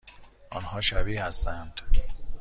آنها شبیه هستند؟